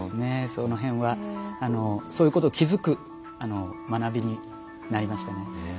その辺はそういうことを気付く学びになりましたね。